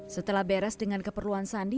setelah beres dengan keperluan sandi